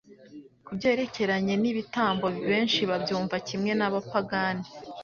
Ku byerekeranye n'ibitambo, benshi babyumva kimwe n'abapagani.